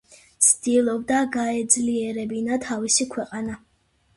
ცდილობდა გაეძლიერებინა თავისი ქვეყანა.